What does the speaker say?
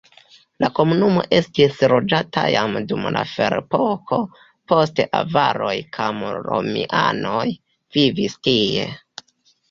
La komunumo estis loĝata jam dum la ferepoko, poste avaroj kaj romianoj vivis tie.